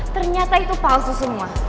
ternyata itu palsu semua